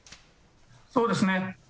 そうですね。